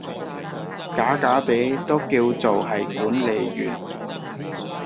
假假地都叫做係管理員